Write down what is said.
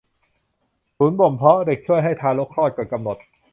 ศูนย์บ่มเพาะเด็กช่วยให้ทารกคลอดก่อนกำหนด